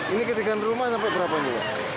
ini ketinggian rumah sampai berapa ini